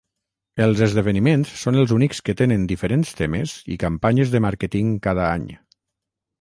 Els esdeveniments són els únics que tenen diferents temes i campanyes de màrqueting cada any.